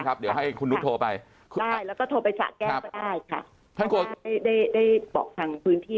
ครับเดี๋ยวให้คุณนุษย์โทรไปแล้วไปสระแก้วได้ค่ะได้บอกทางพื้นพี่